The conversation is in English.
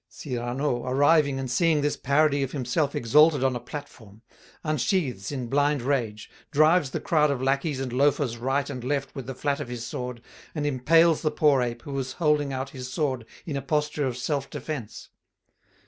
Cyrano, arriving and seeing this parody of himself exalted on a platform, unsheathes in blind rage, drives the crowd of lackeys and loafers right and left with the flat of his sword, and impales the poor ape who was holding out his sword in a posture of self defence.